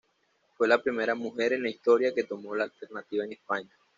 Fue la primera mujer en la historia que tomó la alternativa en España.